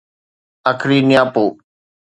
اکري نياپو